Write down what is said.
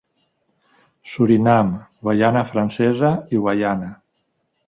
Surinam, Guaiana Francesa i Guaiana.